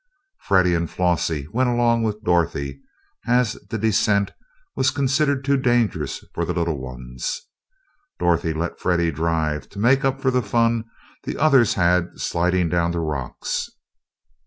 Freddie and Flossie went along with Dorothy, as the descent was considered too dangerous for the little ones. Dorothy let Freddie drive to make up for the fun the others had sliding down the rocks.